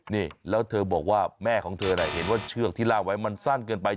นี่แล้วเธอบอกว่าแม่ของเธอเห็นว่าเชือกที่ลากไว้มันสั้นเกินไป